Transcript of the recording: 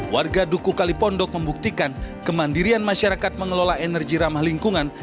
warga duku kalipondok membuktikan kemandirian masyarakat mengelola energi ramah lingkungan